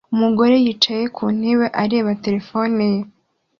Umugore yicaye ku ntebe areba terefone ye